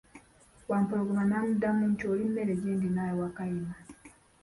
Wampologoma n'amuddamu nti, oli mmere gyendi nawe Wakayima.